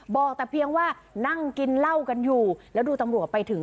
บอกแต่เพียงว่านั่งกินเหล้ากันอยู่แล้วดูตำรวจไปถึง